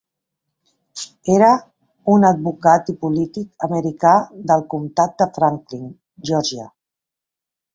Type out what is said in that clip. Era un advocat i polític americà del comtat de Franklin, Georgia.